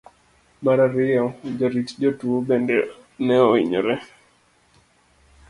mar ariyo. jorit jotuwo bende ne ohinyore